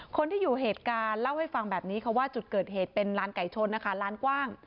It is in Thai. คนที่อยู่เหตุการณ์เล่าให้ฟังแบบนี้ค่ะว่าจุดเกิดเหตุเป็นร้านไก่ชนนะคะร้านกว้าง